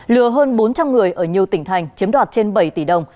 lừa hơn bốn trăm linh người ở nhiều tỉnh thành chiếm đoạt trên bảy tỷ đồng